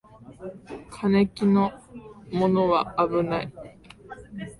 金気のものはあぶない